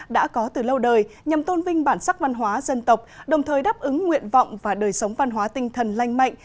đã có từ lâu đời nhằm tôn vinh bản sắc văn hóa dân tộc đồng thời đáp ứng nguyện vọng và đời sống văn hóa tinh thần lanh mạnh